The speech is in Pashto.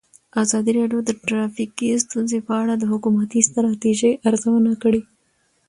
ازادي راډیو د ټرافیکي ستونزې په اړه د حکومتي ستراتیژۍ ارزونه کړې.